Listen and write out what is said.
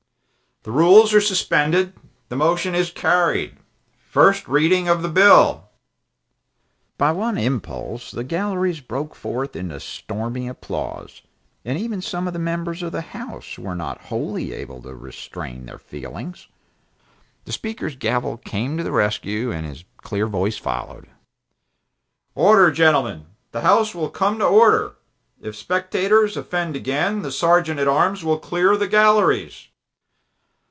The Speaker "The rules are suspended, the motion is carried first reading of the bill!" By one impulse the galleries broke forth into stormy applause, and even some of the members of the House were not wholly able to restrain their feelings. The Speaker's gavel came to the rescue and his clear voice followed: "Order, gentlemen ! The House will come to order! If spectators offend again, the Sergeant at arms will clear the galleries!"